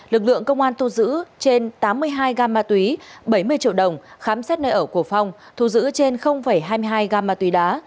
lực lượng công an thu giữ trên tám mươi hai gam ma túy bảy mươi triệu đồng khám xét nơi ở của phong thu giữ trên hai mươi hai gam ma túy đá